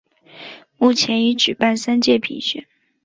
目前已举办三届评选。